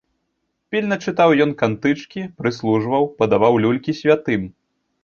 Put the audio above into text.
Пільна чытаў ён кантычкі, прыслужваў, падаваў люлькі святым.